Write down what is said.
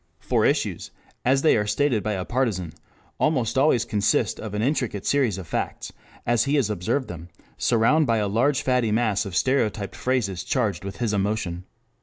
For issues, as they are stated by a partisan, almost always consist of an intricate series of facts, as he has observed them, surrounded by a large fatty mass of stereotyped phrases charged with his emotion.